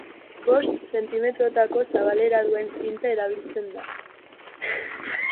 Bost zentimetrotako zabalera duen zinta erabiltzen da.